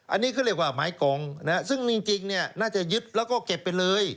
อันนี้เขาเรียกว่าไม้กองซึ่งจริงเนี่ยน่าจะยึดแล้วก็เก็บไปเลย